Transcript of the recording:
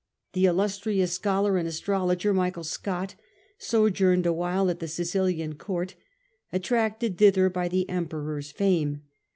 The illustrious scholar and astrologer, Michael Scott, sojourned awhile at the Sicilian Court, attracted thither by the Emperor's fame.